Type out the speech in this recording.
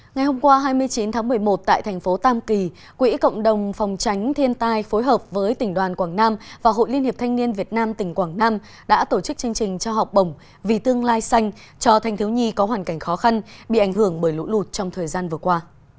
ngày hôm qua hai mươi chín tháng một mươi một tại thành phố tam kỳ quỹ cộng đồng phòng tránh thiên tai phối hợp với tỉnh đoàn quảng nam và hội liên hiệp thanh niên việt nam tỉnh quảng nam đã tổ chức chương trình cho học bổng vì tương lai xanh cho thanh thiếu nhi có hoàn cảnh khó khăn bị ảnh hưởng bởi lũ lụt trong thời gian vừa qua